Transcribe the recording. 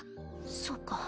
そっか。